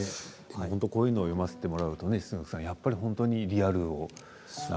こういうものを読ませてもらうと本当にリアルを。